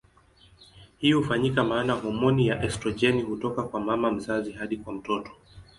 Hii hufanyika maana homoni ya estrojeni hutoka kwa mama mzazi hadi kwa mtoto.